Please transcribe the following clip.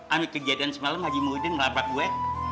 ambil kejadian semalam haji muhyiddin merabak gue